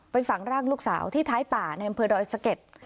ฝังร่างลูกสาวที่ท้ายป่าในอำเภอดอยสะเก็ด